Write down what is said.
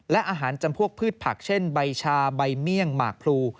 และอาหารจำพวกพืชผักเช่นใบชาใบเมี่ยงหมากพลู